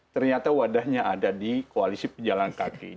ternyata wadahnya ada di koalisi pejalan kaki